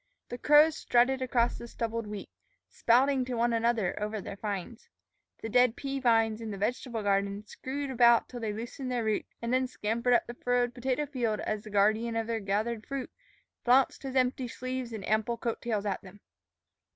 The crows strutted across the stubbled wheat, spouting to one another over their finds. The dead pea vines in the vegetable garden screwed about till they loosened their roots, and then scampered up the furrowed potato field as the guardian of their gathered fruit flounced his empty sleeves and ample coat tails at them.